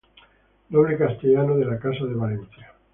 Noble castellano de la Casa de Valencia.